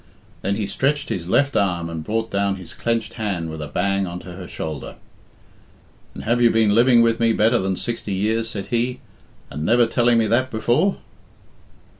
Then he stretched his left arm and brought down his clenched hand with a bang on to her shoulder. "And have you been living with me better than sixty years," said he, "and never telling me that before?"